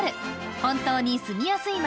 本当に住みやすい街